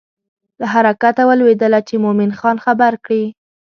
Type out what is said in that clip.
له حرکته ولوېدله چې مومن خان خبر کړي.